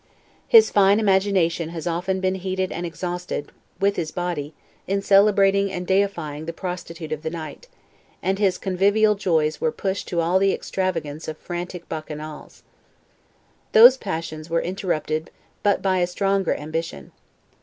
His fine imagination has often been heated and exhausted, with his body, in celebrating and deifying the prostitute of the night; and his convivial joys were pushed to all the extravagance of frantic Bacchanals. Those passions were interrupted but by a stronger ambition.